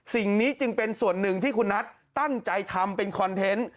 สิ่งนี้จึงเป็นส่วนหนึ่งที่คุณนัทตั้งใจทำเป็นคอนเทนต์